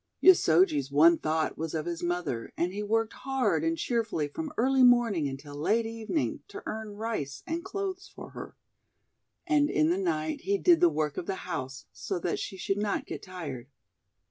Yosoji's one thought was of his mother, and he worked hard and cheerfully from early morning until late evening to earn Rice and clothes for her. And in the night he did the work of the house, so that she should not get tired.